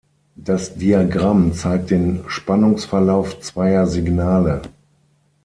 Das Diagramm zeigt den Spannungsverlauf zweier Signale.